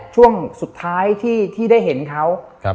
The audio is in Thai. ช่วงสุดท้ายที่ได้เห็นเขา